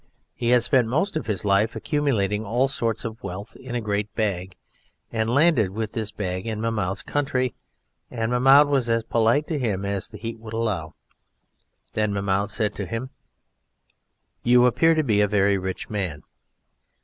He had spent most of his life accumulating all sorts of wealth in a great bag, and he landed with this bag in Mahmoud's country, and Mahmoud was as polite to him as the heat would allow. Then Mahmoud said to him: "You appear to be a very rich man."